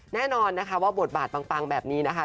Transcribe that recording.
แน่นอนนะคะว่าบทบาทปังแบบนี้นะคะ